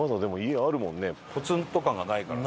ポツンと感がないからね。